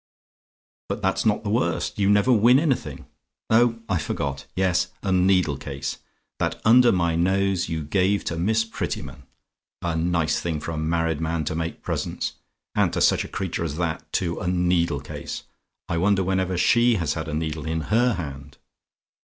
But that's not the worst; you never win anything. Oh, I forgot. Yes; a needle case, that under my nose you gave to Miss Prettyman. A nice thing for a married man to make presents: and to such a creature as that, too! A needle case! I wonder whenever she has a needle in HER hand!